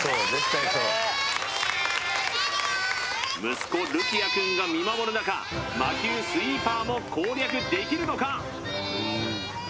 息子琉輝也くんが見守る中魔球スイーパーも攻略できるのか？